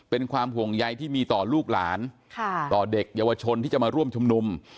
เป็นความห่วงใยที่มีต่อลูกหลานต่อเด็กเยาวชนที่จะมาร่วมชุมนุม